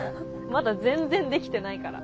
まだ全然できてないから。